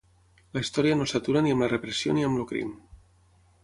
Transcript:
La història no s'atura ni amb la repressió ni amb el crim.